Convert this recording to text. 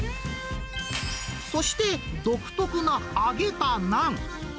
そして、独特な揚げたナン。